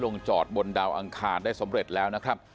ลงจอดบนดาวอังคารได้สำเร็จแล้วนะครับ